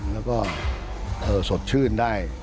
แล้วก็สดชื่นได้